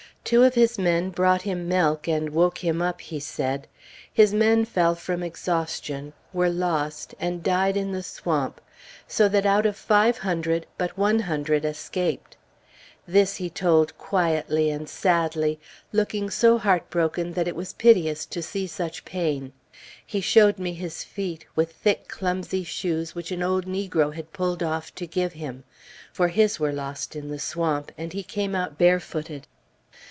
Two of his men brought him milk, and "woke him up," he said. His men fell from exhaustion, were lost, and died in the swamp; so that out of five hundred, but one hundred escaped. This he told quietly and sadly, looking so heart broken that it was piteous to see such pain. He showed me his feet, with thick clumsy shoes which an old negro had pulled off to give him; for his were lost in the swamp, and he came out bare footed.